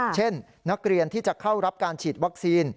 เช่นนักเรียนที่จะเข้ารับการฉีดวัคซีน